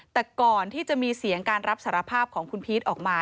แต่ก่อนที่จะมีเสียงการรับสารภาพของคุณพีชออกมา